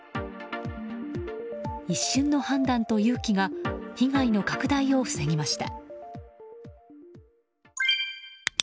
一瞬の判断と勇気が被害の拡大を防ぎました。